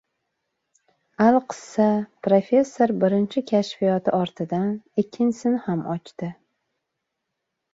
Alqissa, professor birinchi kashfiyoti ortidan ikkinchisini ham ochdi